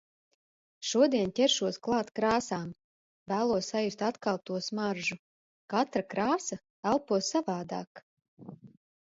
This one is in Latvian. Šodien ķeršos klāt krāsām. Vēlos sajust atkal to smaržu. Katra kāsa elpo savādāk.